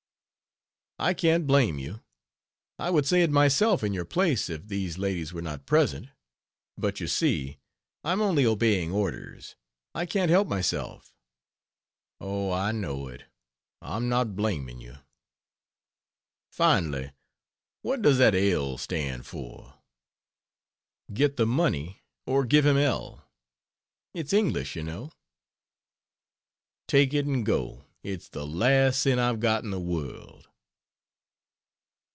"I can't blame you; I would say it myself in your place, if these ladies were not present. But you see I'm only obeying orders, I can't help myself." "Oh, I know it; I'm not blaming you. Finally, what does that L stand for?" "Get the money, or give him L. It's English, you know." "Take it and go. It's the last cent I've got in the world